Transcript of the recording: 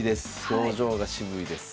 表情が渋いです。